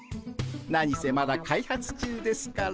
何せまだ開発中ですから。